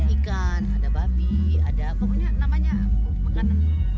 ada ikan ada babi ada apa namanya makanan